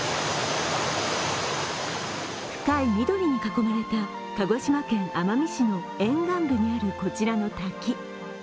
深い緑に囲まれた鹿児島県奄美市の沿岸部にあるこちらの滝。